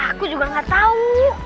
aku juga gak tau